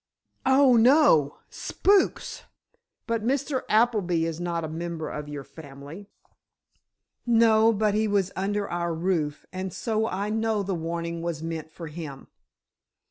"Oh, no! Spooks! But Mr. Appleby is not a member of your family." "No; but he was under our roof. And so I know the warning was meant for him."